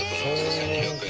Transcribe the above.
１，２００円。